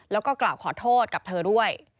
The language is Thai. แล้วก็กล่าวขอโทษกับเธอด้วย